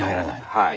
はい。